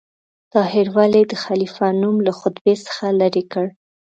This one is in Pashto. طاهر ولې د خلیفه نوم له خطبې څخه لرې کړ؟